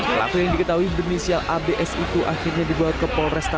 pelaku yang diketahui bernisial abs itu akhirnya dibawa ke polresta